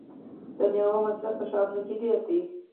د میوو مصرف په ښارونو کې ډیر دی.